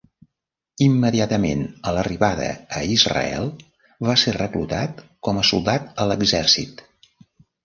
Immediatament a l'arribada a Israel va ser reclutat com a soldat a l'exèrcit.